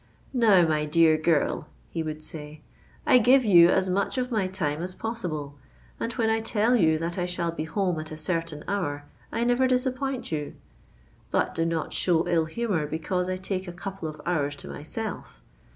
"Now, my dear girl," he would say, "I give you as much of my time as possible; and when I tell you that I shall be home at a certain hour, I never disappoint you. But do not show ill humour because I take a couple of hours to myself.